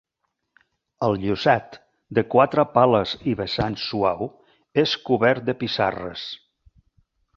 El llosat, de quatre pales i vessant suau, és cobert de pissarres.